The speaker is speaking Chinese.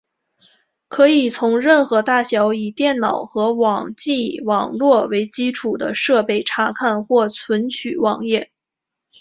可以从任何大小以电脑和网际网路为基础的设备查看或存取网页。